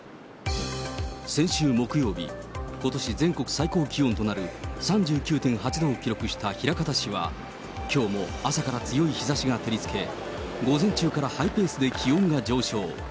先週木曜日、ことし全国最高気温となる３９．８度を記録した枚方市は、きょうも朝から強い日ざしが照りつけ、午前中からハイペースで気温が上昇。